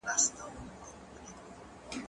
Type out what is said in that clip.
زه پرون مېوې وخوړله!